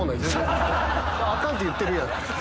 「あかんって言ってるやん。